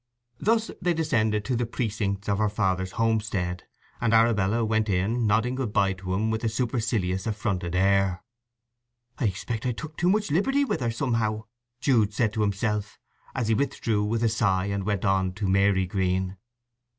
Thus they descended to the precincts of her father's homestead, and Arabella went in, nodding good bye to him with a supercilious, affronted air. "I expect I took too much liberty with her, somehow," Jude said to himself, as he withdrew with a sigh and went on to Marygreen.